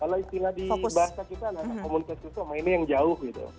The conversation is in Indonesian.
kalau istilah di bahasa kita komunitas itu mainnya yang jauh gitu